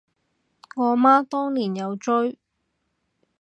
我媽當年有追